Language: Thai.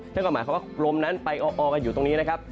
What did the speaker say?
นั่นก็หมายความว่าลมนั้นไปออกันอยู่ตรงนี้นะครับ